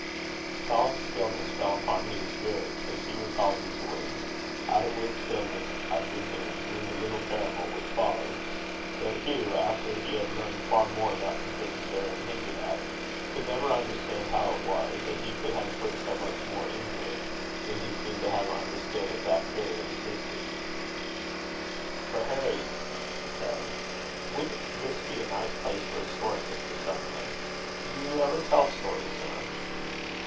A solemn stillness fell upon Hugh's spirit, as he recalled these words; out of which stillness, I presume, grew the little parable which follows; though Hugh, after he had learned far more about the things therein hinted at, could never understand how it was, that he could have put so much more into it, than he seemed to have understood at that period of his history. For Harry said: "Wouldn't this be a nice place for a story, Mr. Sutherland? Do you ever tell stories, sir?"